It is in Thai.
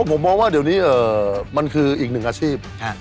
ผมมองว่าเดี๋ยวนี้มันคืออีกหนึ่งอาชีพ